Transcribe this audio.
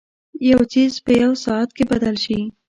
یو څیز په یوه ساعت کې بدل شي.